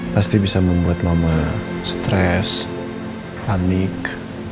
pasti bisa membuat mama stres panik